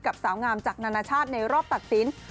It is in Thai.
กับสาวงามจากนานาชาติในรอบตักศิลป์